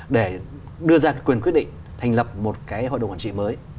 để đưa ra quyền quyết định thành lập một cái hội đồng quản trị mới